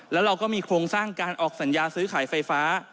แล้วเราก็มีโครงสร้างการออกสัญญาซื้อขายไฟฟ้า